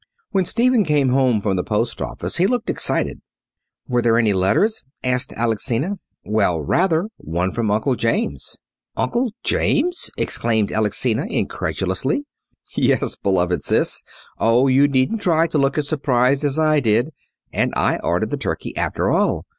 When Stephen came home from the post office he looked excited. "Were there any letters?" asked Alexina. "Well, rather! One from Uncle James!" "Uncle James," exclaimed Alexina, incredulously. "Yes, beloved sis. Oh, you needn't try to look as surprised as I did. And I ordered the turkey after all.